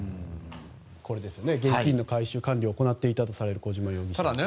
現金の回収・管理を行っていたとされる小島容疑者ですね。